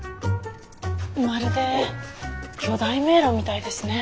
まるで巨大迷路みたいですね。